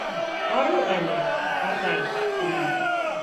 — Арыу әле, атай, — тине.